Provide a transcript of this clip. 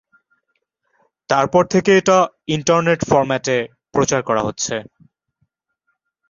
তারপর থেকে এটা ইন্টারনেট ফরম্যাটে প্রচার করা হচ্ছে।